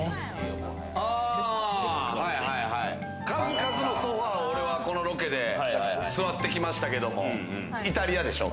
数々のソファを俺はこのロケで座ってきましたけれども、イタリアでしょ。